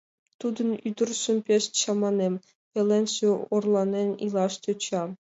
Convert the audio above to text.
Тудын ӱдыржым пеш чаманем, пеленже орланен илаш тӧча.